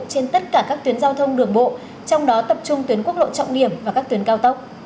trên tất cả các tuyến giao thông đường bộ trong đó tập trung tuyến quốc lộ trọng điểm và các tuyến cao tốc